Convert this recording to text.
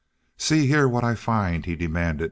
"See here, what I find!" he demanded.